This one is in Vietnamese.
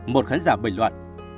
một khán giả bình luận